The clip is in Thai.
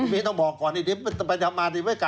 ไปทำวัฒนาทีกายเป็นโบราณมันพูดเอง